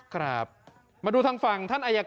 ครับมาดูทางฝั่ง